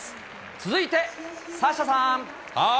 続いてサッシャさん。